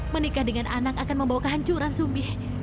menikah dengan anak akan membawakan hancuran sumi